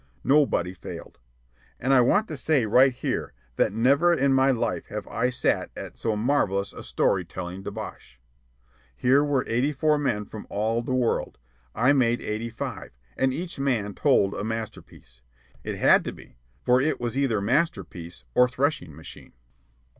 Nobody failed. And I want to say right here that never in my life have I sat at so marvellous a story telling debauch. Here were eighty four men from all the world I made eighty five; and each man told a masterpiece. It had to be, for it was either masterpiece or threshing machine.